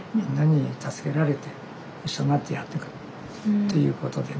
っていうことでね。